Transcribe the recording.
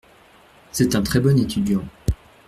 C’est un très bon étudiant.